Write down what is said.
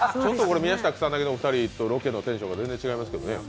宮下草薙のお二人とのロケのテンションが違いましたよね。